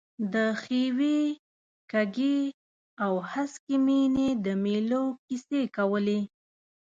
د ښیوې، کږې او هسکې مېنې د مېلو کیسې کولې.